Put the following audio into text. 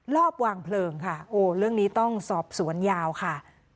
รอบวางเพลิงค่ะโอ้เรื่องนี้ต้องสอบสวนยาวค่ะ